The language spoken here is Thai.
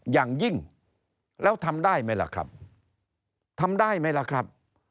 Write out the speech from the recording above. อย่างยิ่งแล้วทำได้ไหมล่ะครับทำได้ไหมล่ะครับ